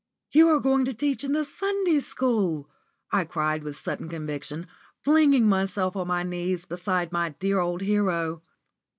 "You are going to teach in the Sunday school!" I cried with sudden conviction, flinging myself on my knees beside my dear old hero.